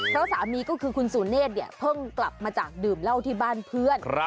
เพราะสามีก็คือคุณสุเนธเนี่ยเพิ่งกลับมาจากดื่มเหล้าที่บ้านเพื่อน